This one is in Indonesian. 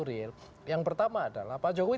real yang pertama adalah pak jokowi